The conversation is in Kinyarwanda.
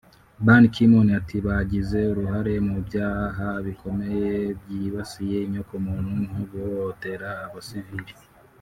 Ban Ki-moon ati“ Bagize uruhare mu byaha bikomeye byibasiye inyoko muntu nko guhohotera Abasivili